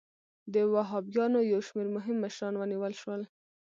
د وهابیانو یو شمېر مهم مشران ونیول شول.